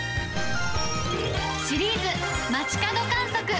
シリーズ街角観測。